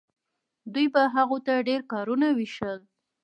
دوی به هغو ته ډیر کارونه ویشل.